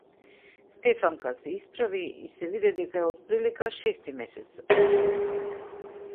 Стефанка се исправи и се виде дека е отприлика шести месец трудна.